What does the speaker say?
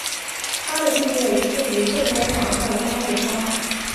她的地位次于正宫皇后八不沙。